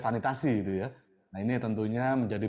sanitasi itu ya nah ini tentunya menjadi